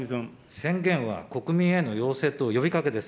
宣言は国民への要請と呼びかけです。